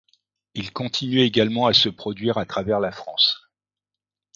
Il continue également à se produire à travers la France.